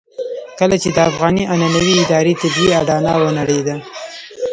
کله چې د افغاني عنعنوي ادارې طبيعي اډانه ونړېده.